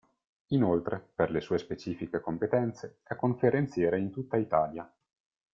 Inoltre, per le sue specifiche competenze, è conferenziere in tutta Italia.